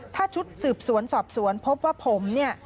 ถ้าชุดสืบสวนสอบสวนพบว่าผมเนี่ย